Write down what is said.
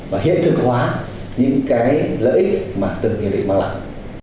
và hiện thực hóa những lợi ích mà từng nhà địch mang lặng